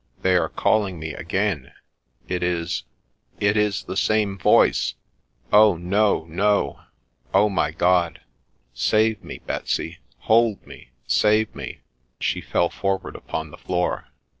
they are calling me again I it is — it is the same voice ;— Oh no, no !— Oh my God I save me, Betsy — hold me — save me !" she fell forward upon the floor.